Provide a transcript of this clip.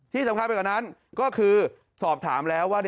ที่สำคัญไปกว่านั้นก็คือสอบถามแล้วว่า